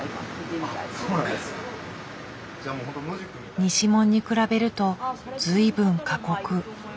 西門に比べると随分過酷。